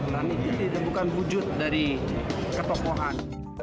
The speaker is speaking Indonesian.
nah ini bukan wujud dari ketokohan